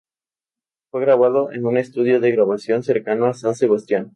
Fue grabado en un estudio de grabación, cercano a San Sebastián.